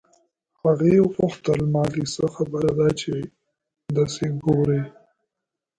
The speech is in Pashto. هغې وپوښتل مالې څه خبره ده چې دسې ګورې.